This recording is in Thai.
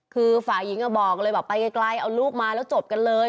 คือฝ่ายหญิงก็บอกเลยบอกไปไกลเอาลูกมาแล้วจบกันเลย